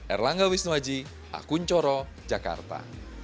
erlangga wisnuaji akun coro jakarta